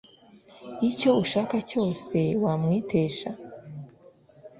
icyo ushaka cyose wamwitesha? ”